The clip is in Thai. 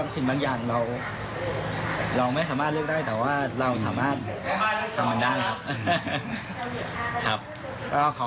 สิ่งบางอย่างเราไม่สามารถเลือกได้แต่ว่าเราสามารถสงอนได้ครับ